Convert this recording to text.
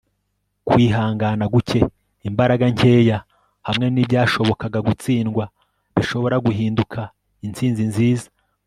kwihangana guke, imbaraga nkeya, hamwe n'ibyashobokaga gutsindwa bishobora guhinduka intsinzi nziza